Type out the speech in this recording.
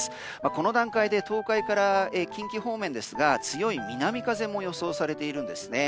この段階で東海から近畿方面ですが強い南風も予想されています。